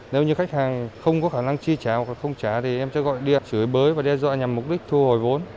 nếu như khách hàng không có khả năng chi trả hoặc không trả thì em sẽ gọi điện sửa bới và đe dọa nhằm mục đích thu hồi vốn